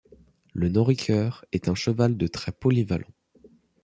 Le Noriker est un cheval de trait polyvalent.